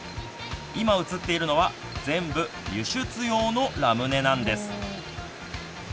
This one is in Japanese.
今映っているのは全部、輸出用のラムネなんです。